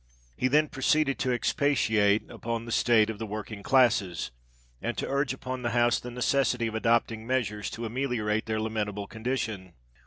He then proceeded to expatiate upon the state of the working classes, and to urge upon the House the necessity of adopting measures to ameliorate their lamentable condition.